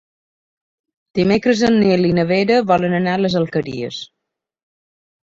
Dimecres en Nil i na Vera volen anar a les Alqueries.